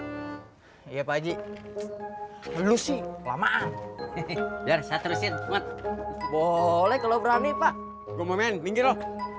lu lu lu dua ratus tujuh puluh dua iya pak ji lu sih lamaan jelas terusin boleh kalau berani pak momen minggu